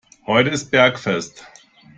Heute ist Bergfest.